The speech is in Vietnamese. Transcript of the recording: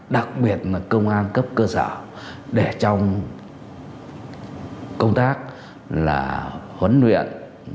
đặc biệt là công an cấp cơ sở để trong công tác là huấn luyện